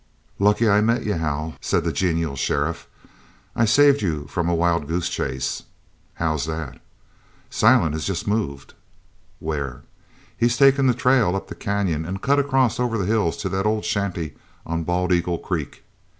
"Lucky I met you, Hal," said the genial sheriff. "I've saved you from a wild goose chase." "How's that?" "Silent has jest moved." "Where?" "He's taken the trail up the canyon an' cut across over the hills to that old shanty on Bald eagle Creek.